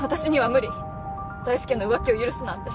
大介の浮気を許すなんて。